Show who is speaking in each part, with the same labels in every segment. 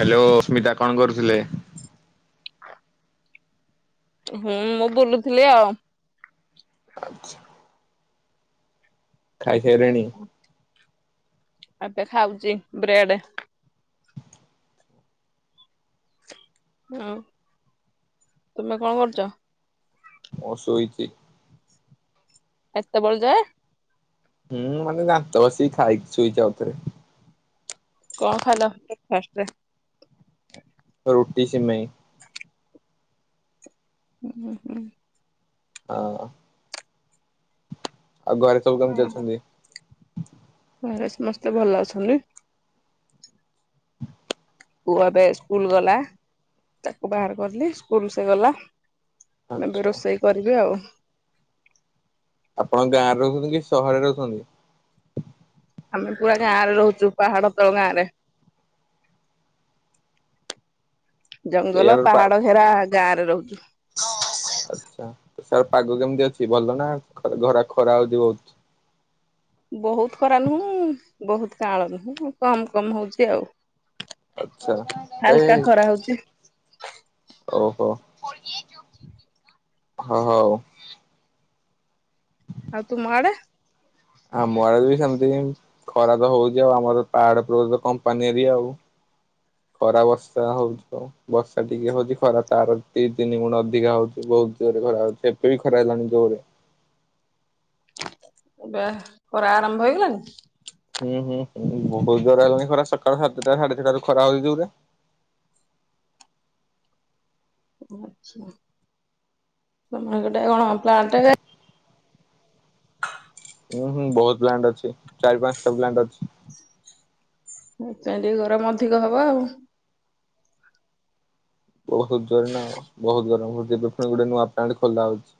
Speaker 1: Hello Smita କଣ କରୁଥିଲେ।
Speaker 2: ହୁଁ ମୁଁ ବୁଲୁଥିଲି ଆଉ
Speaker 1: ଆଚ୍ଛା। ଖାଇସାରିଲେଣି
Speaker 2: ଏବେ ଖାଉଛି ବ୍ରେଡ ହୁଁ ତମେ କଣ କରୁଛ?
Speaker 1: ମୁଁ ଶୋଇଛି।
Speaker 2: ଏତେ ବେଳ ଯାଏ।
Speaker 1: ହୁଁ ମୁଁ ମନେ ଦାନ୍ତ ଘସିଚି ଖାଇଛି ଶୋଇଚି ଆଉଥରେ।
Speaker 2: କଣ ଖାଇଲ ବ୍ରେକଫାଷ୍ଟ ରେ।
Speaker 1: ରୁଟି, ସିମେଇ।
Speaker 2: ହୁଁ ହୁଁ।
Speaker 1: ହଁ ଆଉ ଘରେ ସବୁ କେମିତି
Speaker 2: ହୁଁ
Speaker 1: ଅଛନ୍ତି।
Speaker 2: ଘରେ ସମସ୍ତେ ଭଲ ଅଛନ୍ତି। ପୁଅ ଏବେ ସ୍କୁଲ ଗଲା ତାକୁ ବାହାର କଲି ସ୍କୁଲ ସେ ଗଲା। ଏବେ
Speaker 1: ଆଚ୍ଛା
Speaker 2: ରୋଷେଇ କରିବି ଆଉ।
Speaker 1: ଆପଣ ଗାଁରେ ରହୁଛନ୍ତି କି ସହରରେ ରହୁଛନ୍ତି।
Speaker 2: ଆମେ ପୁରା ଗାଁ ରେ ରହୁଛୁ ପାହାଡ ତଳ ଗାଁ ରେ। ଜଙ୍ଗଲ ପାହାଡ ଘେରା ଗାଁ ରେ ରହୁଛୁ।
Speaker 1: ହଁ। ଆ୍ଛା ପାଗ କେମିତି ଅଛି ଭଲ ନା ଖରା ଖରା ହଉଛି ବହୁତ
Speaker 2: ବହୁତ୍ ଖରା ନୁହଁ ବହୁତ୍ ଖରା କମ୍ କମ୍ ହଉଚି।
Speaker 1: ଆଛା ଏଇ
Speaker 2: ହଉଛି
Speaker 1: ଓଃ। ହଁ ହଉ।
Speaker 2: ଆଉ ତୁମ ଆଡେ।
Speaker 1: ଆମ ଆଡେ ବି ସେମିତି କାଇଁ ଖରା ତ ହଉଛି ଆଉ ଆମର ପାହାଡତଳ କମ୍ପାନୀ ଏରିଆ। ଖରା ବର୍ଷା ହଉଛି ଆ ବର୍ଷା ଟିକେ ହଉଛି ଖରା ତାର ଦି ତିନି ଗୁଣ ଅଧିକା ହଉଛି। ବହୁତ ଜୋରେ ଖରା ହଉଚି ଏବେ ବି ଖରା ହେଲାଣି ଜୋରେ।
Speaker 2: ଏବେ ଖରା ଆରମ୍ଭ ହେଇଗଲାଣିି।
Speaker 1: ହୁଁ ହୁଁ ବହୁତ ଜୋର ହେଲାଣି ଖରା ସକାଳ ସାତଟା ସାଢେ ଛଟାରୁ ଖରା ହଉଛି ଜୋରେ।
Speaker 2: ଓ ଆଛା ସମୟ ଗୋଟେ କଣ ପ୍ଲାଣ୍ଟେରେ
Speaker 1: ଉଁ ହୁଁ ବହୁତ ପ୍ଲାଣ୍ଟ ଅଛି ଚାରି ପାଞ୍ଚଟା ପ୍ଲାଣ୍ଟ ଅଛି।
Speaker 2: ସେଥପାଇ ଟିକେ ଗରମ ଅଧିକ ହବ ଆଉ।
Speaker 1: ବୋହୁତ୍ ଜୋର ନା ଆଉ ବହୁତ ଗରମ ହଉଚି ଏବେ ଫୁଣି ଗୋଟେ ନୂଆ ପ୍ଲାଣ୍ଟ ଖୋଲା ହଉଚି।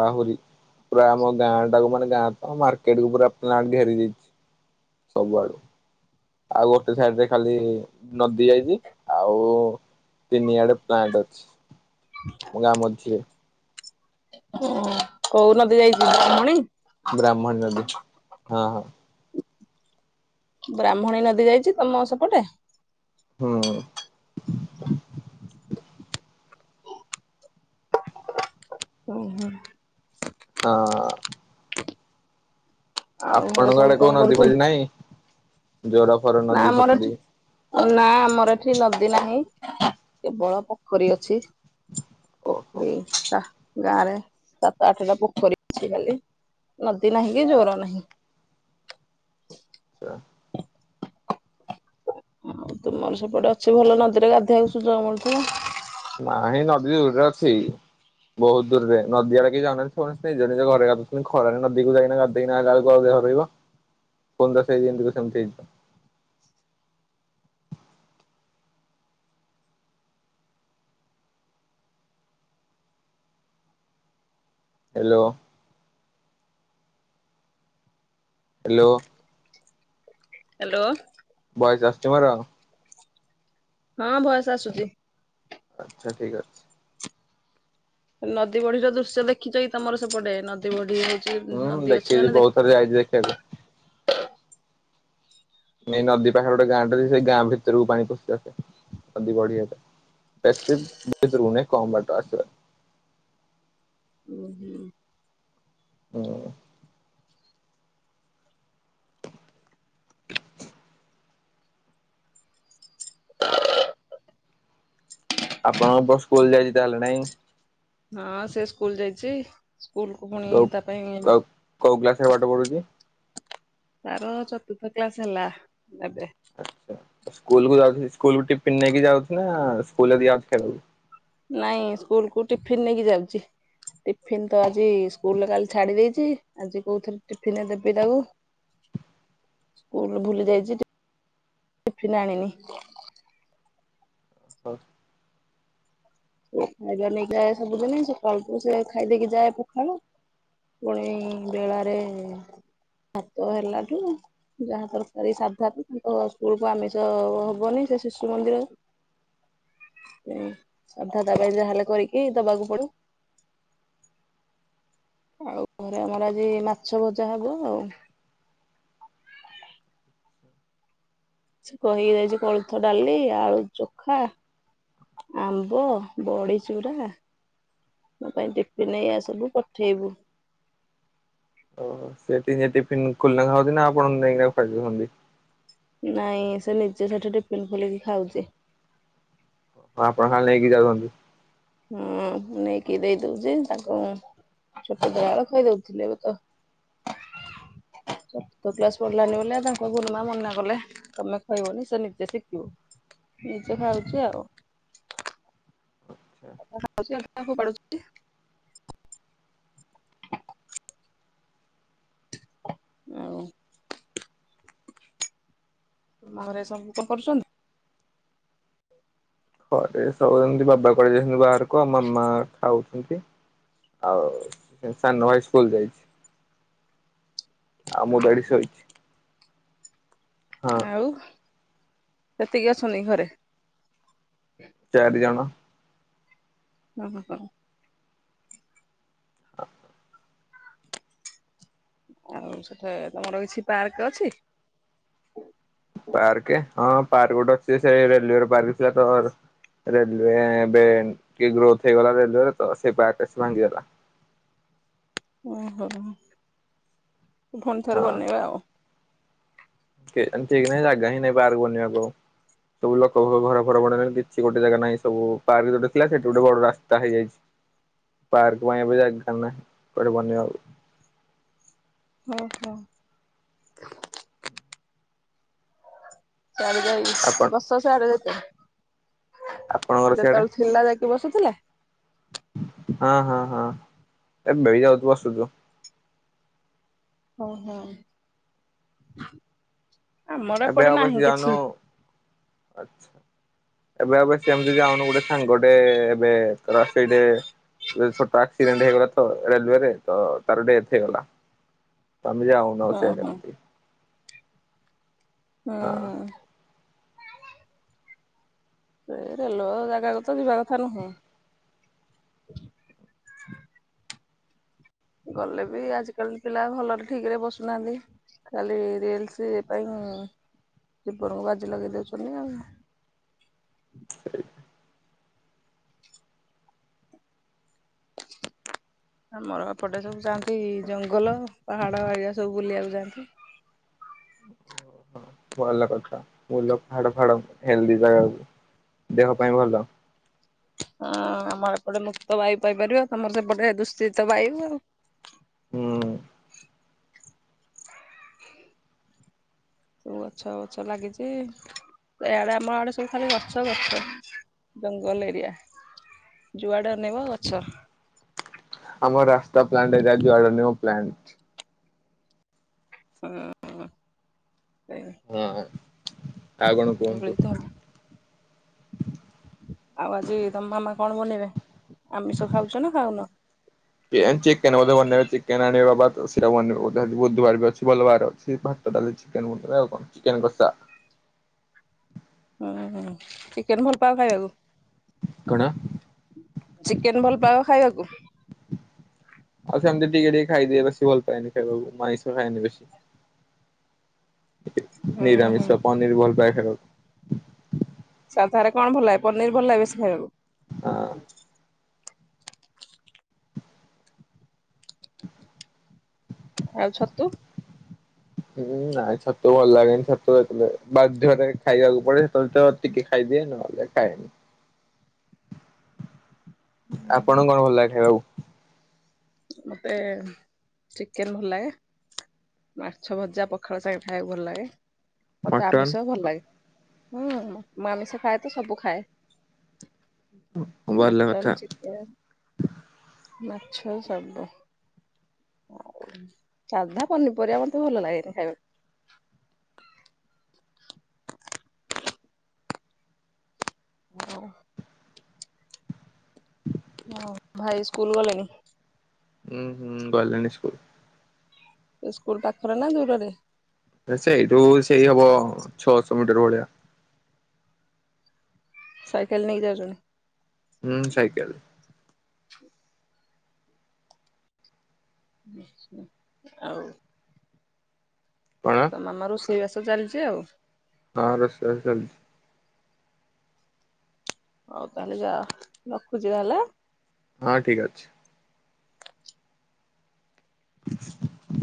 Speaker 1: ଆହୁରି ପୁରା ଆମ ଗାଁ ଟାକୁ ମାନେ ଗାଁ ଙ୍କ ମାର୍କେଟ କୁ ପୁରା ପ୍ଲାଣ୍ଟ ଘେରି ଦେଇଛି। ସବୁଆଡୁ। ଆଉ ଗୋଟେ ସାଇଡ ରେ ଖାଲି ନଦୀ ଯାଇଚି ଆଉ ତିନିଆଡେ ପ୍ଲାଣ୍ଟ ଅଛି ଆମ ଗାଁ ମଝିରେ।
Speaker 2: କୋଉ ନଦୀ ଯାଇଚି ବ୍ରାହ୍ମଣୀ
Speaker 1: ବ୍ରାହ୍ମଣୀ ନଦୀ ହଁ ହଁ।
Speaker 2: ବ୍ରାହ୍ମଣୀ ନଦୀ ଯାଇଚି ତମ ସେପଟେ
Speaker 1: ହୁଁ।
Speaker 2: ଓହୋ।
Speaker 1: ହଁ।
Speaker 2: ଆଉ ଘରେ
Speaker 1: ଆପଣଙ୍କ
Speaker 2: ସବୁ
Speaker 1: ଆଡେ
Speaker 2: କଣ
Speaker 1: କୋଉ ନଦୀ
Speaker 2: କରୁଛନ୍ତି?
Speaker 1: ଫଦୀ ନାହିଁ ଜୋର ଫୋର
Speaker 2: ନା
Speaker 1: ନଦୀ
Speaker 2: ଆମର ଏଠି
Speaker 1: ଫଦୀ
Speaker 2: ନା ଆମର ଏଠି ନଦୀ ନାହିଁ କେବଳ ପୋଖରୀ ଅଛି
Speaker 1: ଓହୋ
Speaker 2: ପୋଖରୀ ତା ଗାଁ ରେ ସାତ ଆଠ ଟା ପୋଖରୀ ଅଛି ଖାଲି ନଦୀ ନାହିଁ କି ଜୋର ନାହିଁ।
Speaker 1: [unintelligible]
Speaker 2: ଆଉ ତୁମର ସେପଟେ ଅଛି ଭଲ ନଦୀରେ ଗାଧେଇବାକୁ ସୁଯୋଗ ମିଳୁଥିବ।
Speaker 1: ପାଣି ନଦୀରେ [unintelligible] ଅଛି। ବହୁତ ଦୂରରେ ନଦୀ ଆଡା କିହି ଜଣ ନିଜ ନିଜଘରେ ଖରାରେ ନଦୀକୁ ଯାଇନା ଗାଧେଇକି ଆଇଲା ବେଳକୁ [unintelligible] ରହିବ ପନ୍ଦ [unintelligible] ସେମିତି ହେଇ [unintelligible] ହ୍ୟାଲୋ। ହ୍ୟାଲୋ
Speaker 2: ହ୍ୟାଲୋ
Speaker 1: ଭଏସ ଆସଛି ମୋର?
Speaker 2: ହଁ ଭଏସ ଆସୁଛି।
Speaker 1: ଆଚ୍ଛା ଠିକ ଅଛି।
Speaker 2: ନଦୀ ବଢିର ଦୃଶ୍ୟ ଦେଖିଛ କି ତମର ସେପଟେ ନଦୀ ବଢି [unintelligible]
Speaker 1: ହୁଁ
Speaker 2: ନଦୀ ଅଛି
Speaker 1: ଦେଖିଛି
Speaker 2: ମାନେ
Speaker 1: ବହୁତ ଥର ଯାଇଛି ଦେଖିବାକୁ
Speaker 2: ଦେଖୁଛୁ
Speaker 1: ନଦୀ ପାଖରେ ଗୋଟେ ଗାଁ ଟା ସେ ଗାଁ ଭିତରକୁ ପାଣି ପଷି ଆସେ ନଦୀ ବଢି ହେଲେ ବେଶି [unintelligible] କମ ବାଟ ଆସିବା।
Speaker 2: ଉଁ ହୁଁ
Speaker 1: ହୁଁ। ଆପଣଙ୍କ ପୁଅ ସ୍କୁଲ ଯାଇଛି ତାହେଲେ ନାଇଁ?
Speaker 2: ହଁ ସେ ସ୍କୁଲ ଯାଇଛି ସ୍କୁଲ କୁ ପୁଣି ତା ପାଇଁ
Speaker 1: ସେ ପାଠ ପଢୁଛି?
Speaker 2: ତାର ଚତୁର୍ଥ କ୍ଲାସ ହେଲା ଏବେ।
Speaker 1: ଆଚ୍ଛା ସ୍କୁଲ କ ଯାଉଚି ସ୍କୁଲ କୁ ଟିଫିନ୍ ନେଇକି ଯାଉ ନା ସ୍କୁଲ ରେ ଦିଆ ହଉଚି ଖାଇବାକୁ?
Speaker 2: ନାଇଁ ସ୍କୁଲ କୁ ଟିଫିନ ନେଇକି ଯାଉଛି। ଟିଫିନ ତ ଆଜି ସ୍କୁଲରେ କାଲି ଛାଡି ଦେଇଛି ଆଜି କୋଉଥିରେ ଟିଫିନ ଦେବି ତାକୁ। ସ୍କୁଲ ଭୁଲି ଯାଇଛି ଟିଫିନ ଆଣିନି।
Speaker 1: ହଁ।
Speaker 2: ଖାଇବା ନେଇକି ଯାଏ ସବୁଦିନ ସକାଳକୁ ସେ ଖାଇଦେଇକି ଯାଏ ପଖଳ ପୁଣି ବେଳାରେ ଭାତ ହେଲାଠୁ ଯାହା ତରକାରୀ ସାଧା ତାଙ୍କ ସ୍କୁଳକୁ ଆମିଷ ହବନି ସେ ଶିଶୁ ମନ୍ଦିର
Speaker 1: [inaudible]
Speaker 2: ହୁଁ। ଅଧା ଦବା ଯାହେଲେ କରିକି ଦବାକୁ ପଡେ ଆଉ ଘରେ ଆମର ଆଜି ମାଛ ଭଜା ହବ ଆଉ ସେ କହିକି ଯାଇଛି କୋଳଥ ଡାଲି ଆଳୁ ଚୋଖା ଆମ୍ବ ବଡ଼ି ଚୁରା ମୋ ପାଇଁ ଟିଫିନ ହେଇ ଆସିବୁ ପଠେଇବୁ।
Speaker 1: ଓ ସେଠି ସେ ଟିଫିନ ଖୋଲିନା ଖାଉଛି ନା ଆପଣ ନେଇକିନା ଖୁଆଇଦଉଛନ୍ତି?
Speaker 2: ନାଇଁ ସେ ନିଜେ ସେଠି ଟିଫିନ ଖୋଲିକି ଖାଉଛି।
Speaker 1: ଆପଣ ଖାଲି ନେଇକି ଯାଉଛନ୍ତି।
Speaker 2: ହଁ ମୁ ନେଇକି ଦେଇ ଦଉଛି ତାକୁ ଛୋଟ ଥିଲା ବେଳେ ଖୁଆଇ ଦଉଥିଲି ଏବେ ତ
Speaker 1: [inaudible]
Speaker 2: ଷଷ୍ଠ କ୍ଲାସ୍ ପଢିଲାନି ବୋଲି ତାଙ୍କ ଗୁରୁମା ମନା କଲେ ତମେ ଖୋଇବନି ସେ ନିଜେ ଶିଖିବ। ନିଜେ ଖାଉଛି ଆଉ। ଅଧା ଖାଉଚି ଅଧା ଫୋପାଡୁଚି ଆଉ। ଘରେ ଏ ସବୁ କଣ କରୁଛନ୍ତି?
Speaker 1: ଘରେ ସବୁ ଏମିତୀ ବାବା କୁଆଡେ ଯାଇଛନ୍ତି ବାହାରକୁ ଆଉ ମାମା ଖାଉଛନ୍ତି। ଆଉ ସାନ ଭାଇ ସ୍କୁଲ ଯାଇଛି। ଆଉ ମୁଁ ତ ଏଠି ଶୋଇଚି।
Speaker 2: ଆଉ ସେତିକି ଅଛନ୍ତି ଘରେ?
Speaker 1: ଚାରିଜଣ
Speaker 2: ହ ହୋ
Speaker 1: [inaudible]
Speaker 2: ଆଉ ସେଠି ତମର କିଛି ପାର୍କ ଅଛି?
Speaker 1: ପାର୍କ ହଁ ପାର୍କ ଗୋଟେ ଅଛି ସେ ରେଲୱେର ପାର୍କ ଥିଲା ତ ରେଲୱେ ଏବେ ଟିକେ ଗ୍ରୋଥ ହେଇଗଲା ରେଲୱରେ ତ ସେଇ ପାର୍କ ଆସି ଭାଙ୍ଗିଦେଲା।
Speaker 2: ଓହୋ ଫୁଣି ଥରେ ବନେଇବା ଆଉ।
Speaker 1: କେ ଯାଣେ ଠିକ ନାହିଁ ଜାଗା ହି ନାହିଁ ପାର୍କ ବନେଇବାକୁ ଆଉ। ସବୁ ଲୋକ ଘର ଫର ବନେଇ କିଛି ଗୋଟେ ଜାଗା ନାହିଁ ସବୁ ପାର୍କ ଗୋଟେ ଥିଲା ସେଠି ଗୋଟେ ବଡ ରାସ୍ତା ହେଇଯାଇଛି। ପାର୍କ ପାଇଁ ଏବେ ଜାଗା ନାହିଁ କୁଆଡେ ବନାଇବାକୁ।
Speaker 2: ଓ ହୋ।
Speaker 1: ଆପଣ
Speaker 2: [unintelligible]
Speaker 1: ଆପଣଙ୍କର ସିଆଡେ
Speaker 2: ଯେତେବେଳେ ଥିଲା ଯାଇକି ବସୁଥିଲେ?
Speaker 1: ହଁ ହଁ ହଁ ଏ ମିଳି ଯାଉ ବସୁଚୁ।
Speaker 2: ଓ ହୋ।
Speaker 1: ଏବେ ଆଉ ବେଶି ଯାଉନୁ। ଏବେ ଆଉ ବେଶି ସେମିତି ଯାଉନୁ ଗୋଟେ ସାଙ୍ଗଟେ ଏବେ ସେଇଠେ ଏ ଛୋଟ ଆକ୍ସିଡେଣ୍ଟ ହେଇଗଲା ତ ରେଲୱେରେ ତ ତାର ଡେଥ ହେଇଗଲା। ଆମେ ଯାଉନୁ ଆଉ ସିଆଡେ
Speaker 2: ଓହୋ।
Speaker 1: ଏମିତି।
Speaker 2: ହଁ ହଁ। ସେଇ ରେଲୱେ ଜାଗାକୁ ତ ଯିବା କଥା ନୁହେଁ।
Speaker 1: [inaudible]
Speaker 2: ଗଲେ ବି ଆଜିକାଲି ପିଲା ଭଲରେ ଠିକରେ ବସୁନାହାନ୍ତି। ଖାଲି ରିଲ୍ସ ପାଇଁ ଜିବନଙ୍କୁ ବାଜି ଲଗେଇଦଉଛନ୍ତି ଆଉ।
Speaker 1: [inaudible] [inaudible]
Speaker 2: ଆମର ଏପଟେ ସବୁ ଯାଆନ୍ତି ଜଙ୍ଗଲ, ପାହାଡ ଏରିଆ ସବୁ ବୁଲିବାକୁ ଯାଆନ୍ତି।
Speaker 1: [unintelligible] ଓ ହୋ ଭଲ କଥା, ଭଲ ପାହାଡ ଫାହାଡ ହେଲଦି ଜାଗାକୁ, ଦେହ ପାଇଁ ଭଲ।
Speaker 2: ହଁ ଆମର ଏପଟେ ମୁକ୍ତ ବାୟୁ ପାଇପାରିବ, ତମର ସେପଟେ ଦୂଷିତ ବାୟୁ,
Speaker 1: ହୁଁ
Speaker 2: ସବୁ ଗଛ ଗଛ ଲାଗିଛି ଇଆଡେ ଆମ ଆଡେ ସବୁ ଖାଲି ଗଛ ଗଛ। ଜଙ୍ଗଲ ଏରିଆ ଯୁଆଡେ ଅନେଇବ ଗଛ
Speaker 1: ଆମ ରାସ୍ତା ପ୍ଲାଣ୍ଟ ଏଟା ଯେ ଯଉଁ ନିଉ ପ୍ଲାଣ୍ଟ।
Speaker 2: [unintelligible]
Speaker 1: ହାଁ ଆଉ କଣ
Speaker 2: ଧୂଳି
Speaker 1: କୁହନ୍ତୁ?
Speaker 2: ଧୂଳି ଆଉ ଆଜି ତମ ମାମା କଣ ବନେଇବେ? ଆମିଷ ଖାଉଛ ନା ଖାଉନ?
Speaker 1: କେ ଚିକେନ ବୋଧେ ବନେଇବେ। ଚିକେନ ଆଣିବେ ବାଵା, ତ, ସେଇଟା ବନିବ ବୋଧେ ଆଜି ବୁଧବାର ବି ଅଛି, ଭଲ ବାର ଅଛି। ଭାତ, ଡାଲି, ଚିକେନ ବନେଇବେ ଆଉ କ'ଣ ଚିକେନ କଷା।
Speaker 2: ହୁଁ ହୁଁ, ଚିକେନ ଭଲ ପାଅ ଖାଇବାକୁ?
Speaker 1: କଣ
Speaker 2: ଚିକେନ ଭଲପାଅ ଖାଇବାକୁ?
Speaker 1: ଆଉ ସେମତି ଟିକେ ଟିକେ ଖାଇଦିଏ, ବେଶୀ ଭଲ ପାଏନି ଖାଇବାକୁ ମୁଁ ଆଇଁସ ଖାଏନି ବେଶୀ।
Speaker 2: ହୁଁ ହୁଁ
Speaker 1: ନିରାମିଷ ପନିର ଭଲପାଏ ଖାଇବାକୁ।
Speaker 2: ଆଉ ଘରେ କଣ ଭଲ ଲାଗେ? ପନିର ଭଲ ଲାଗେ ବେଶୀ ଖାଇବାକୁ?
Speaker 1: ହଁ।
Speaker 2: ଆଉ ଛତୁ?
Speaker 1: ହୁଁ ନାଇଁ ଛତୁ ଭଲ ଲାଗେନି, ଛତୁ ଏତେ ବାଧ୍ୟରେ ଖାଇବାକୁ ପଡେ ସେତେବେଳେ ତ ଟିକେ ଖାଇ ଦିଏ, ନହେଲେ ଖାଏନି। ଆପଣଙ୍କ କଣ ଭଲ ଲାଗେ ଖାଇବାକୁ?
Speaker 2: ମୋତେ ଚିକେନ ଭଲ ଲାଗେ, ମାଛ ଭଜା ପଖାଳ ସାଙ୍ଗେ ଖାଇବାକୁ ଭଲ ଲାଗେ। ମୋତେ ଆମିଷ
Speaker 1: ମଟନ
Speaker 2: ଭଲ ଲାଗେ। ହୁଁ, ମୁ ଆମିଷ ଖାଏ ତ ସବୁ ଖାଏ।
Speaker 1: ହଁ, ଭଲ
Speaker 2: ମଟନ
Speaker 1: କଥା।
Speaker 2: ଚିକେନ ମାଛ ଆଉ ସବୁ। ସାଧା ପନିପରିବା ମତେ ଭଲ ଲାଗେନି ଖାଇବାକୁ,
Speaker 1: [inaudible]
Speaker 2: ମୁଁ ହୁଁ, ଭାଇ ସ୍କୁଲ ଗଲେଣି?
Speaker 1: ହୁଁ, ହୁଁ, ଗଲେଣି ସ୍କୁଲ୍।
Speaker 2: ସ୍କୁଲ୍ ପାଖରେ ନା ଦୂରରେ?
Speaker 1: ସେଇଠୁ ସେଇ ହବ ଛଅଶହ ମିଟର ଭଳିଆ।
Speaker 2: ସାଇକେଲ ନେଇ ଯାଉଛନ୍ତି?
Speaker 1: ହୁଁ, ସାଇକେଲ୍।
Speaker 2: ଛ ଆଚ୍ଛା, ଆଉ
Speaker 1: କଣ
Speaker 2: ତ ମାମା ରୋଷଇବାସ ଚାଲିଛି ଆଉ।
Speaker 1: ହଁ, ରୋଷେଇବାସ ଚାଳିଛି।
Speaker 2: ହଉ, ତାହେଲେ ଯା, ରଖୁଛି ହେଲା।
Speaker 1: ହଁ, ଠିକ୍ ଅଛି। [unintelligible]